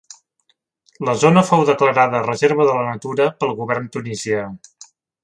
La zona fou declarada reserva de la natura pel govern tunisià.